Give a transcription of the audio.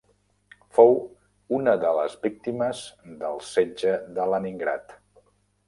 Fou una de les víctimes del setge de Leningrad.